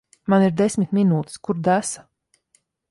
Man ir desmit minūtes. Kur desa?